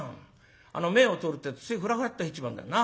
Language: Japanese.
あの前を通るってえとついふらふらっと入っちまうんだよな。